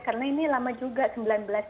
karena ini lama juga sembilan belas jam